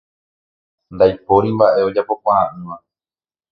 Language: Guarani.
Ndaipóri mbaʼe ojapokuaaʼỹva.